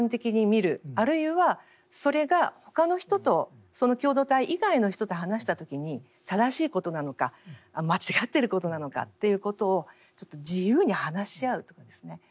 あるいはそれが他の人とその共同体以外の人と話した時に正しいことなのか間違っていることなのかということをちょっと自由に話し合うとかですね